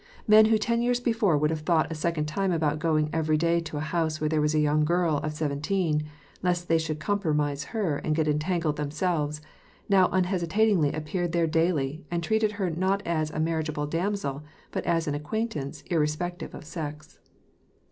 Men who ten years before would have thought a second time about going every day to a house where there was a young girl of seven teen, lest they should compromise her and get entangled themselves, now unhesitatingly appeared there daily, and treated her not as a marriageable damsel but as an acquaintance irre spective of sex.